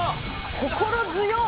心強っ！